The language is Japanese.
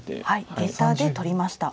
ゲタで取りました。